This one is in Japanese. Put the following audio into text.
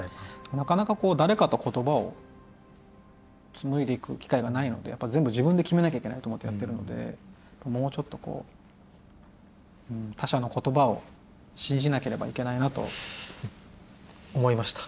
なかなか誰かと言葉を紡いでいく機会がないのでやっぱ全部自分で決めなきゃいけないと思ってやってるのでもうちょっとこう他者の言葉を信じなければいけないなと思いました。